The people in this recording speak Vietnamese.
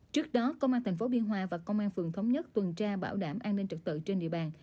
trước đó công an tp biên hòa và công an phường thống nhất tuần tra bảo đảm an ninh trật tự trên địa bàn